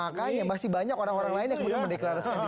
makanya masih banyak orang orang lain yang kemudian meniklaskan